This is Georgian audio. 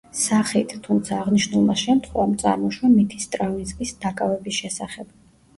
სახით, თუმცა, აღნიშნულმა შემთხვევამ წარმოშვა მითი სტრავინსკის დაკავების შესახებ.